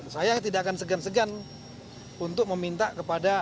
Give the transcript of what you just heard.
saya tidak akan segan segan untuk meminta kepada